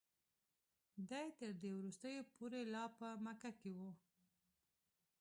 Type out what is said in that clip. دی تر دې وروستیو پورې لا په مکه کې و.